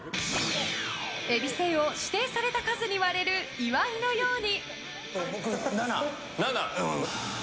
えびせんを指定された数に割れる岩井のように。